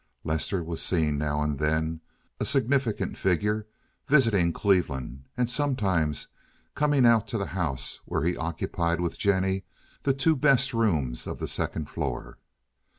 Lester was seen now and then, a significant figure, visiting Cleveland, and sometimes coming out to the house where he occupied with Jennie the two best rooms of the second floor.